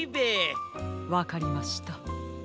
わかりました。